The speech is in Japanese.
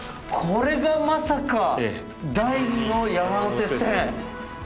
これが、まさか第二の山手線？